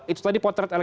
itu tadi potensi